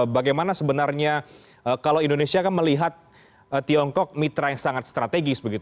bagaimana sebenarnya kalau indonesia kan melihat tiongkok mitra yang sangat strategis